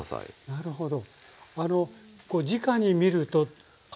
なるほど。